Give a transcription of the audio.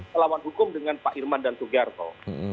pelawan hukum dengan pak irman dan sugiharto